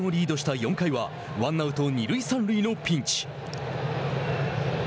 ４回はワンアウト、二塁三塁のピンチ。